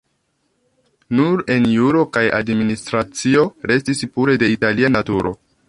Nur en juro kaj administracio restis pure de Italia naturo.